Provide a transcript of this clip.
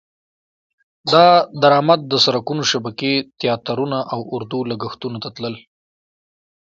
دا درامد د سرکونو شبکې، تیاترونه او اردو لګښتونو ته تلل.